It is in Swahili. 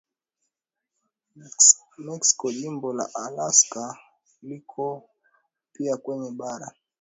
Meksiko Jimbo la Alaska liko pia kwenye bara